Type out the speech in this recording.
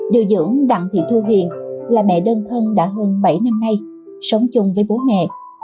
điều dưỡng đặng thị thu hiền là mẹ đơn thân đã hơn bảy năm nay sống chung với bố mẹ